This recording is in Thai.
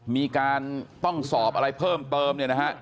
มีการต้องสอบอะไรเพิ่มเติมเนี่ยนะฮะ